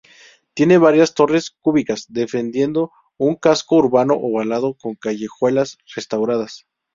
Tiene varias torres cúbicas defendiendo un casco urbano ovalado con callejuelas restauradas.